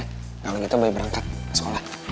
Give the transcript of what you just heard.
kalau gitu bayi berangkat ke sekolah